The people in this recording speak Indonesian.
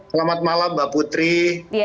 selamat malam mbak putri